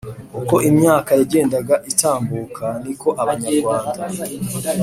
uko imyaka yagendaga itambuka ni ko abanyarwanda